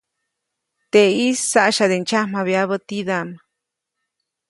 Teʼis saʼsyade ndsyamjabyabä tidaʼm.